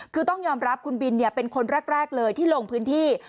คือต้องยอมรับคุณบินเป็นคนแรกเลยที่ลงพื้นที่